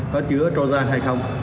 có chứa trojan hay không